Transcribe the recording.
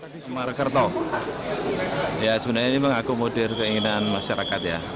di semarang tawang sebenarnya ini mengakomodir keinginan masyarakatnya